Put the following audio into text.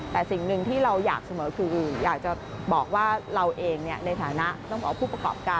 แต่สิ่งหนึ่งที่เราอยากเสมอคืออยากจะบอกว่าเราเองในฐานะต้องบอกว่าผู้ประกอบการ